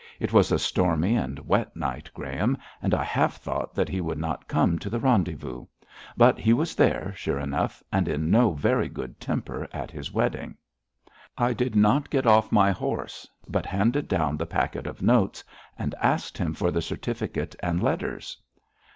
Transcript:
It was a stormy and wet night, Graham, and I half thought that he would not come to the rendezvous, but he was there, sure enough, and in no very good temper at his wetting, I did not get off my horse, but handed down the packet of notes, and asked him for the certificate and letters.'